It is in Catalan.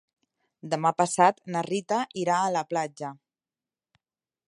Demà passat na Rita irà a la platja.